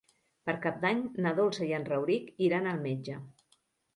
Per Cap d'Any na Dolça i en Rauric iran al metge.